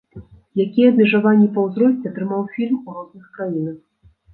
Якія абмежаванні па ўзросце атрымаў фільм у розных краінах.